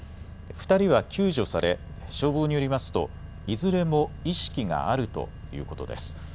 ２人は救助され消防によりますといずれも意識があるということです。